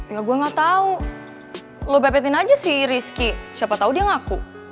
ya gue gak tau lo bepetin aja si rizky siapa tahu dia ngaku